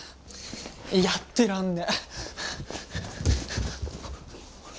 やってらんね。